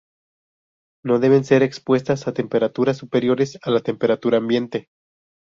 No deben ser expuestas a temperaturas superiores a la temperatura ambiente.